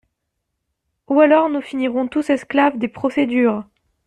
Ou alors nous finirons tous esclaves des procédures.